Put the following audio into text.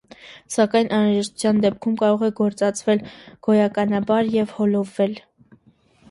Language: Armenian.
Սակայն անհրաժեշտության դեպքում կարող է գործածվել գոյականաբար և հոլովվել։